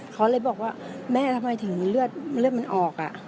เขาเลยบอกว่าแม่ทำไมถึงเลือดมันออก